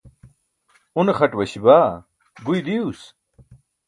une xaṭ waśi baa guyi diyuus